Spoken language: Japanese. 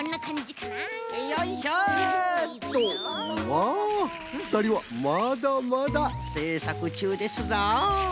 わあふたりはまだまだせいさくちゅうですぞ。